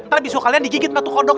ntar bisul kalian digigit matu kodok